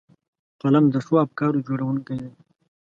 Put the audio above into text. قلم د ښو افکارو جوړوونکی دی